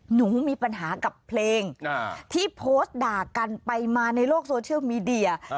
หนูมีปัญหากับเพลงที่โพสต์ด่ากันไปมาในโลกโซเชียลมีเดีย